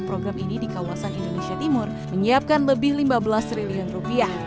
program ini di kawasan indonesia timur menyiapkan lebih lima belas triliun rupiah